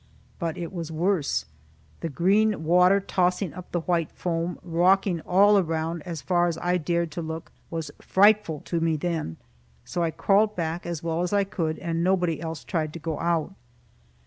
But it was worse. The green water, tossing up the white foam, rocking all around, as far as I dared to look, was frightful to me then. So I crawled back as well as I could, and nobody else tried to go out.